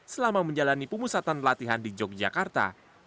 selama menjalani pemusatan latihan di yogyakarta